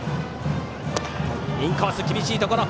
インコース厳しいところ。